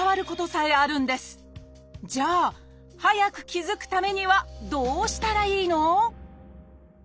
じゃあ早く気付くためにはどうしたらいいの？